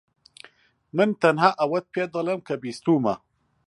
من تەنها ئەوەت پێدەڵێم کە بیستوومە.